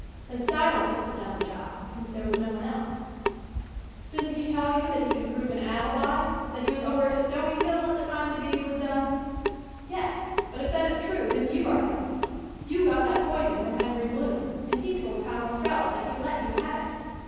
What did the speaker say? "Then Styles must have done the job, since there was no one else." "Didn't he tell you that he can prove an alibi! That he was over to Stony Hill at the time the deed was done?" "Yes, but if that is true, then you are guilty. You got that poison from Henry Bloom, and he told Tom Ostrello that he let you have it.